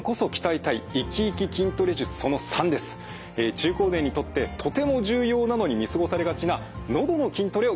中高年にとってとても重要なのに見過ごされがちなのどの筋トレをご紹介します。